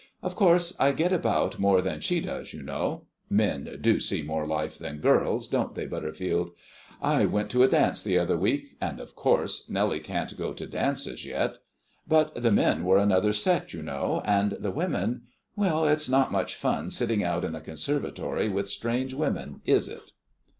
"Of course, I get about more than she does, you know. Men do see more life than girls, don't they, Butterfield? I went to a dance the other week, and of course Nellie can't go to dances yet. But the men were another set, you know, and the women well, it's not much fun sitting out in a conservatory with strange women, is it?"